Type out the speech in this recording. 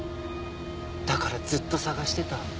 だからずっと捜してた。